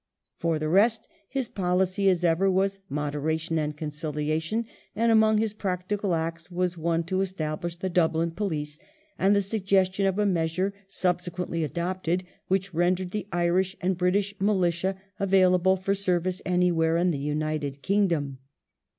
For the rest his policy, as ever, was moderation and concilia tion; and among his practical acts was one to establish the Dublin Police, and the suggestion of a measure, subsequently adopted, which rendered the Irish and British Militia available for service anywhere in the United Kingdom.